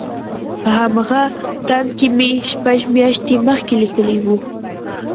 په همغه تاند کې مې شپږ مياشتې مخکې ليکلي وو.